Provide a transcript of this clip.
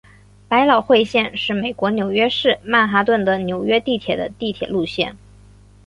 百老汇线是美国纽约市曼哈顿的纽约地铁的地铁路线。